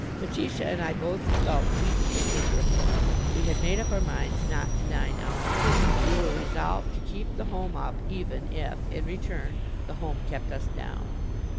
Letitia and I both felt weak and miserable. We had made up our minds not to dine out. We were resolved to keep the home up, even if, in return, the home kept us down.